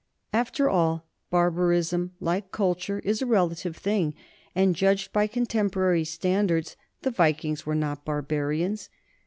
After all barbarism, like culture, is a relative thing, and judged by contemporary standards, the Vikings were not barbarians.